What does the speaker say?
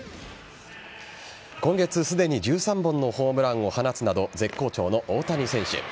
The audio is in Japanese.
今月、すでに１３本のホームランを放つなど絶好調の大谷選手。